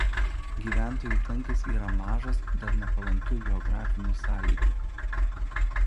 Gyventojų tankis yra mažas dėl nepalankių geografinių sąlygų.